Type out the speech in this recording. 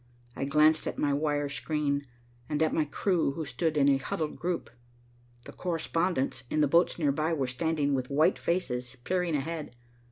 I glanced at my wire screen, and at my crew who stood in a huddled group. The correspondents, in the boats nearby, were standing with white faces, peering ahead.